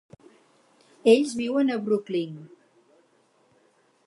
Ells viuen a Brooklyn.